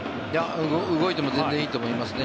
動いても全然いいと思いますね。